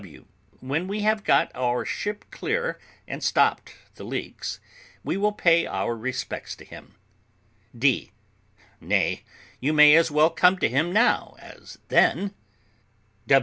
W. When we have got our ship clear, and stopped the leaks, we will pay our respects to him. D. Nay, you may as well come to him now as then.